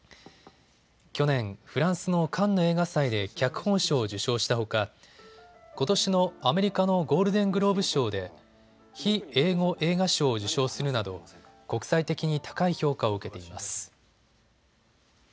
去年、フランスのカンヌ映画祭で脚本賞を受賞したほかことしのアメリカのゴールデングローブ賞で非英語映画賞を受賞するなど国際的に高い評価を受けています。